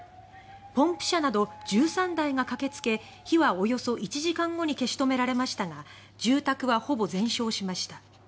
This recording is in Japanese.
ポンプ車など１３台が駆けつけ火はおよそ１時間後に消し止められましたが住宅はほぼ全焼しました。